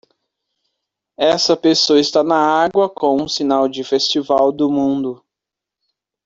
Essa pessoa está na água com um sinal de festival do mundo.